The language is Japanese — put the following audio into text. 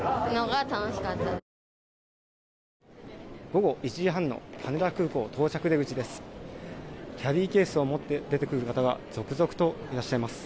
午後１時半の羽田空港到着出口です。